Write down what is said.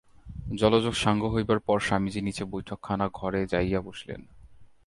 জলযোগ সাঙ্গ হইবার পর স্বামীজী নীচে বৈঠকখানা-ঘরে যাইয়া বসিলেন।